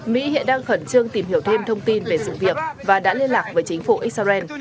mỹ hiện đang khẩn trương tìm hiểu thêm thông tin về sự việc và đã liên lạc với chính phủ israel